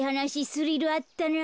スリルあったな。